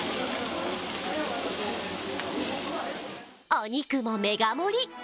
お肉もメガ盛り！